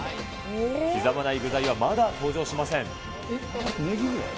刻まない具材はまだ登場しません。